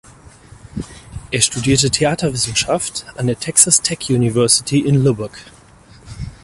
Er studierte Theaterwissenschaft an der Texas Tech University in Lubbock.